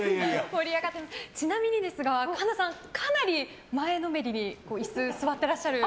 ちなみにですが神田さん、かなり前のめりに椅子に座ってらっしゃる。